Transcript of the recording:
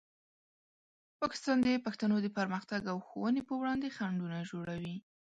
پاکستان د پښتنو د پرمختګ او ښوونې په وړاندې خنډونه جوړوي.